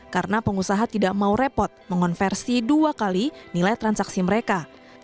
karena pengusaha tidak mau repot mengonversi dua kali nilai transaksi mereka